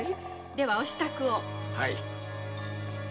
ではお支度を。